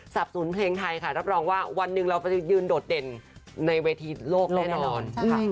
สูนเพลงไทยค่ะรับรองว่าวันหนึ่งเราจะยืนโดดเด่นในเวทีโลกแน่นอนค่ะ